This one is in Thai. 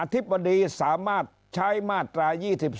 ธิบดีสามารถใช้มาตรา๒๔